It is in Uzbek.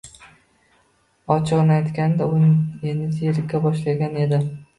ochig'ini aytganda, u endi zerika boshlagan edi.